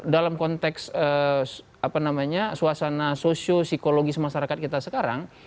dalam konteks suasana sosio psikologis masyarakat kita sekarang